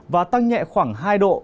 và tăng nhẹ khoảng hai độ